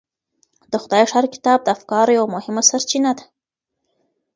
د خدای ښار کتاب د افکارو یوه مهمه سرچینه ده.